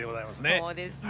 そうですね。